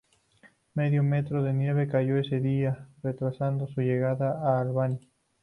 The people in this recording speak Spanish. Medio metro de nieve cayó ese día, retrasando su llegada a Albany.